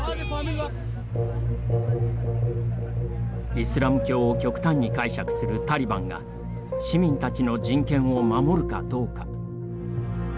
イスラム教を極端に解釈するタリバンが市民たちの人権を守るかどうか。